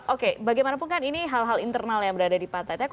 oke bagaimanapun kan ini hal hal internal yang berada di partai